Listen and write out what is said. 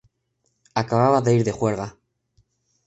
Acababa de ir de juerga.